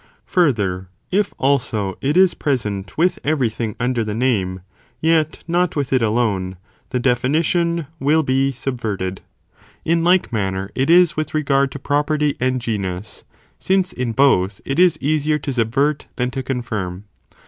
* Further, if also it is present with Taylor insert every thing under the name, yet not with it alone, ae the definition will be subverted. 2, The sameto [Ὲ like manner, it is with regard to property be said of pro and genus, since in both, it is easier to subvert, Pere than to confirm.